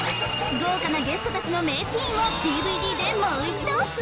豪華なゲストたちの名シーンをＤＶＤでもう一度！